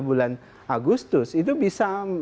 bulan agustus itu bisa